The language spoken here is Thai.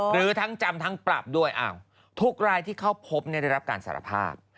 หรือทั้งจำทั้งปรับด้วยทุกรายที่เข้าพบได้รับการสารภาพ